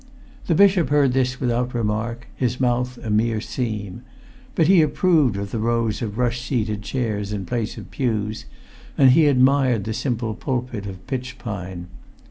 The bishop heard this without remark, his mouth a mere seam. But he approved of the rows of rush seated chairs in place of pews, and he admired the simple pulpit of pitch pine.